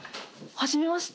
はじめまして。